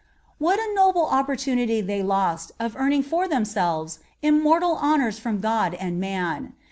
What a noble opportunity they lost of earning for themselves immortal honors from God and man!